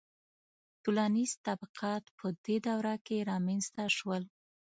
• ټولنیز طبقات په دې دوره کې رامنځته شول.